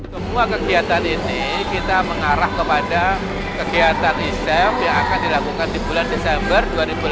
semua kegiatan ini kita mengarah kepada kegiatan isep yang akan dilakukan di bulan desember dua ribu delapan belas